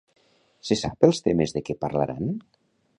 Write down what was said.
Se sap els temes de què parlaran?